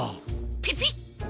ピピッ。